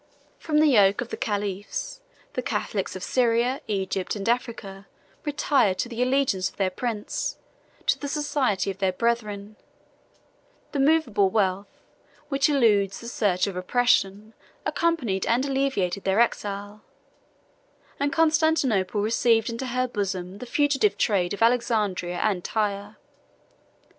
From the yoke of the caliphs, the Catholics of Syria, Egypt, and Africa retired to the allegiance of their prince, to the society of their brethren: the movable wealth, which eludes the search of oppression, accompanied and alleviated their exile, and Constantinople received into her bosom the fugitive trade of Alexandria and Tyre.